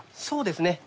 そうですね。